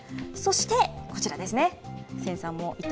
そしてこちらですね。